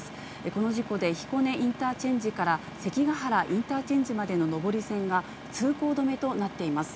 この事故で彦根インターチェンジから、関ヶ原インターチェンジまでの上り線が、通行止めとなっています。